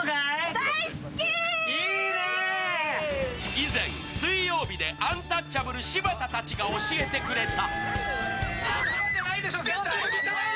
以前、水曜日でアンタッチャブル柴田たちが教えてくれた。